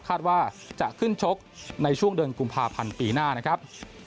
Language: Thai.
คาดว่าจะขึ้นชกในช่วงเดือนกุมภาพันธ์ปีหน้านะครับ